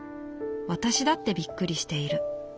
私だってびっくりしている。